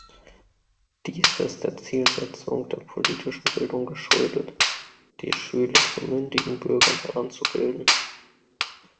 Dies ist der Zielsetzung der politischen Bildung geschuldet, die Schüler zu mündigen Bürgern heranzubilden.